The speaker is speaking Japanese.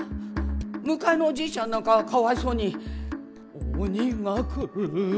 向かいのおじいちゃんなんかかわいそうに「鬼が来る。